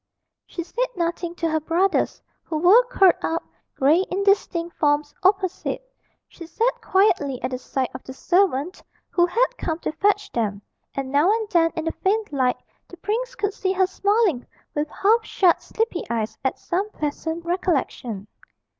She said nothing to her brothers, who were curled up, grey indistinct forms, opposite; she sat quietly at the side of the servant who had come to fetch them, and now and then in the faint light the prince could see her smiling with half shut sleepy eyes at some pleasant recollection.